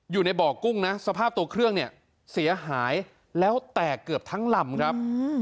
อยู่ในบ่อกุ้งนะสภาพตัวเครื่องเนี่ยเสียหายแล้วแตกเกือบทั้งลำครับ